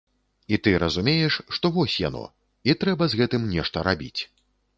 І ты разумееш, што вось яно, і трэба з гэтым нешта зрабіць.